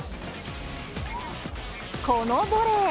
このボレー。